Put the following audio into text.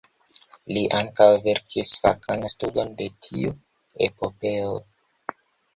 Li ankaŭ verkis fakan studon de tiu epopeo.